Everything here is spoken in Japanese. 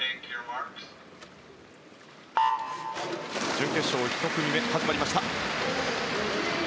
準決勝１組目始まりました。